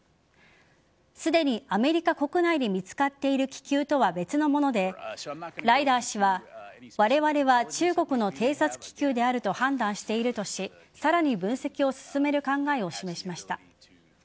すでにアメリカ国内で見つかっている気球とは別のものでライダー氏はわれわれは中国の偵察気球であると判断しているとしさらに分析を進める考えを示しました。